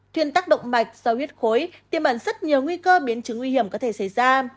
thuyền tác động mạch do huyết khối tiêm ẩn rất nhiều nguy cơ biến chứng nguy hiểm có thể xảy ra